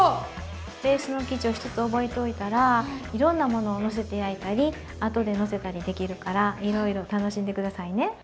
ベースの生地を一つ覚えておいたらいろんなものをのせて焼いたり後でのせたりできるからいろいろ楽しんで下さいね。